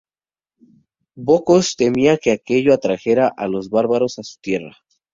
Bocos temía que aquello atrajera a los bárbaros a su tierra.